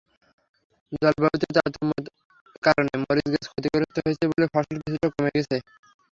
জলবায়ুতে তারতম্যের কারণে মরিচগাছ ক্ষতিগ্রস্ত হয়েছে বলে ফলন কিছুটা কমে গেছে।